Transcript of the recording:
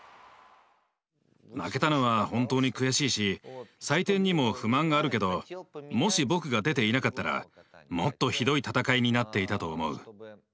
負けたのは本当に悔しいし採点にも不満があるけどもし僕が出ていなかったらもっとひどい戦いになっていたと思う。